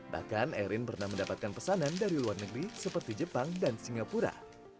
bahkan erin pernah mendapatkan pesanan dari luar negeri seperti jepang dan singapura